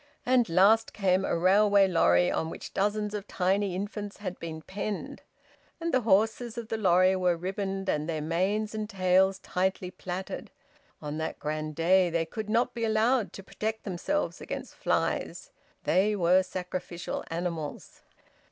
And last came a railway lorry on which dozens of tiny infants had been penned; and the horses of the lorry were ribboned and their manes and tails tightly plaited; on that grand day they could not be allowed to protect themselves against flies; they were sacrificial animals.